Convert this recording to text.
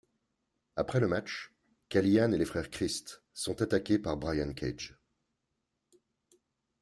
Après le match, Callihan et les frères Crist sont attaqués par Brian Cage.